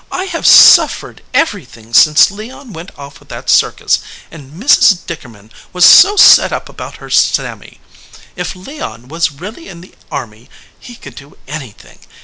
I have suffered everything since Leon went off with that circus, and Mrs. Dickerman was so set up about her Sammy. If Leon was really in the army he could do anything.